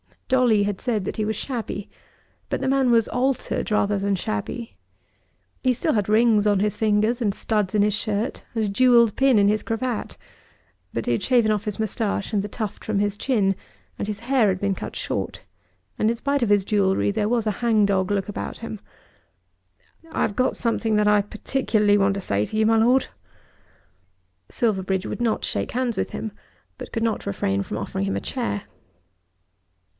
Dolly had said that he was shabby, but the man was altered rather than shabby. He still had rings on his fingers and studs in his shirt, and a jewelled pin in his cravat; but he had shaven off his moustache and the tuft from his chin, and his hair had been cut short, and in spite of his jewellery there was a hang dog look about him. "I've got something that I particularly want to say to you, my Lord." Silverbridge would not shake hands with him, but could not refrain from offering him a chair.